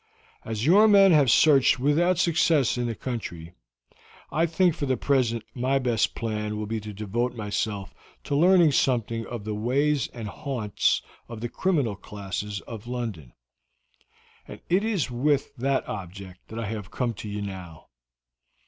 As your men have searched without success in the country, I think for the present my best plan will be to devote myself to learning something of the ways and haunts of the criminal classes of London, and it is with that object that I have come to you now.